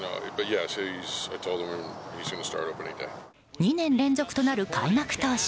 ２年連続となる開幕投手。